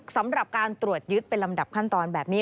สำหรับการตรวจยึดเป็นลำดับขั้นตอนแบบนี้